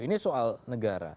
ini soal negara